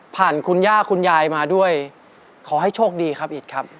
คุณย่าคุณยายมาด้วยขอให้โชคดีครับอิตครับ